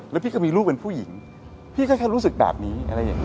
แล้วก็พี่มีลูกเป็นผู้หญิงพี่ก็แค่ดูแบบนี้